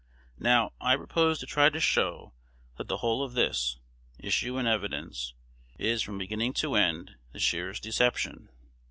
Now, I propose to try to show that the whole of this, issue and evidence, is, from beginning to end, the sheerest deception.